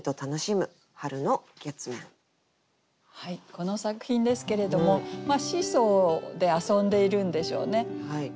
この作品ですけれどもシーソーで遊んでいるんでしょうね。